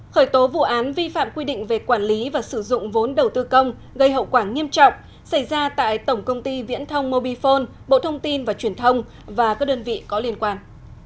khởi tố vụ án vi phạm quy định về quản lý và sử dụng vốn đầu tư công gây hậu quả nghiêm trọng xảy ra tại tổng công ty viễn thông mobifone bộ thông tin và truyền thông và các đơn vị có liên quan